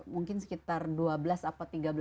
mungkin sekitar dua belas atau tinggal dua tahun